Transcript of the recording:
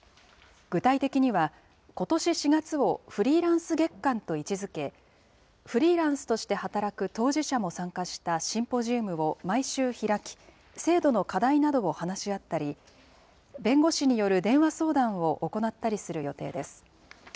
具体的には、ことし４月を、フリーランス月間と位置づけ、フリーランスとして働く当事者も参加したシンポジウムを毎週開き、制度の課題などを話し合ったり、弁護士による電話相談を行ったりする予定です。